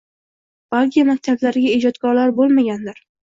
Balki maktablarga ijodkorlar bo‘lmagandir.